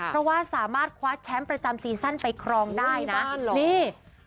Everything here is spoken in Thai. เพราะว่าสามารถควัสแชมประจำซีซั่นไปครองได้น่ะโอ้มีบ้านหรอ